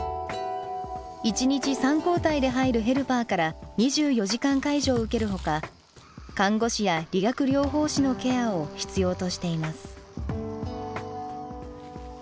１日３交代で入るヘルパーから２４時間介助を受けるほか看護師や理学療法士のケアを必要としています。